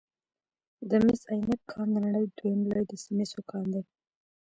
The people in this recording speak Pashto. د مس عینک کان د نړۍ دویم لوی د مسو کان دی